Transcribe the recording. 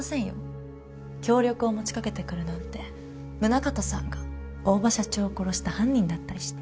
協力を持ちかけてくるなんて宗形さんが大庭社長を殺した犯人だったりして。